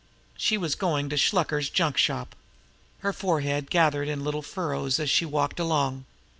She was going to Shluker's junk shop. Her forehead gathered in little furrows as she walked along.